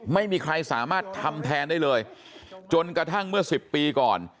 ไม่มีใครสามารถทำแทนได้เลยจนกระทั่งเมื่อ๑๐ปีก่อน